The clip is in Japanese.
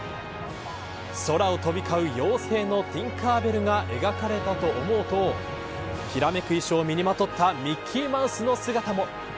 空を飛び交う妖精のティンカー・ベルが描かれたと思うときらめく衣装を身にまとったミッキーマウスの姿も。